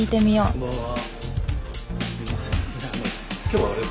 こんばんは。